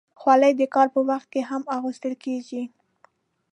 خولۍ د کار پر وخت هم اغوستل کېږي.